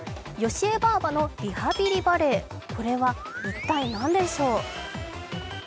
よしえばぁばのリハビリバレエ、これは一体何でしょう？